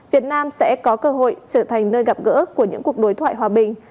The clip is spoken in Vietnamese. việt nam sẽ có cơ hội trở thành nơi gặp gỡ của những cuộc đối thoại hòa bình